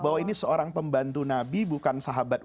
bahwa ini seorang pembantu nabi bukan sahabat